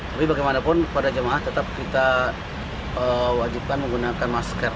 tapi bagaimanapun para jemaah tetap kita wajibkan menggunakan masker